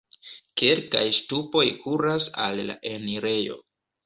Kelkaj ŝtupoj kuras al la enirejo.